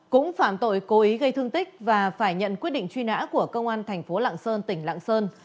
cũng phạm tội cố ý gây thương tích và phải nhận quyết định truy nã của công an thành phố lạng sơn tỉnh lạng sơn